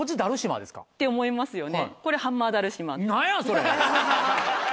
って思いますよね。